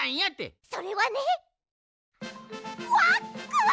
それはね